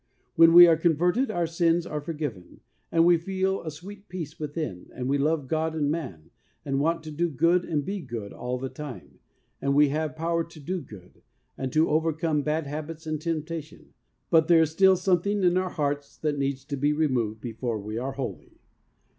When we are converted, our sins are forgiven, and we feel a sweet peace within, and we love God and man, and want to do good and be good all the time, and we have power to do good, and to overcome bad habits and temptation, but there is still something in our hearts that needs to be removed before we are holy.